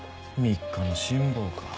３日の辛抱か。